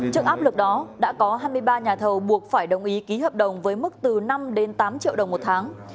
trước áp lực đó đã có hai mươi ba nhà thầu buộc phải đồng ý ký hợp đồng với mức từ năm đến tám triệu đồng một tháng